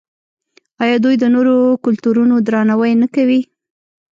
آیا دوی د نورو کلتورونو درناوی نه کوي؟